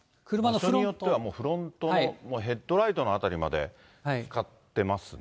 車のフロントのヘッドライトの辺りまでつかってますね。